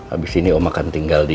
abis ini om akan tinggal di